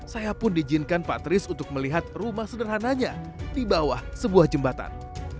saya pun diizinkan pak tris untuk melihat rumah sederhananya di bawah sebuah jembatan